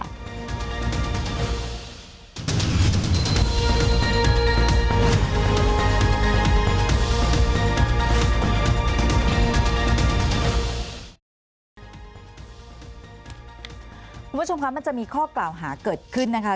คุณผู้ชมคะมันจะมีข้อกล่าวหาเกิดขึ้นนะคะ